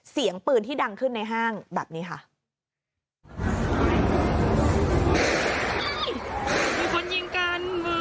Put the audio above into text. เสียงปืนที่ดังขึ้นในห้างแบบนี้ค่ะ